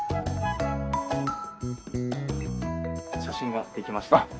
写真ができました。